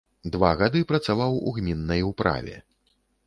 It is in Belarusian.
Два гады працаваў у гміннай управе.